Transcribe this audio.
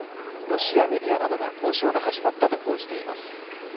ロシアメディアなどが交渉が始まったと報じています。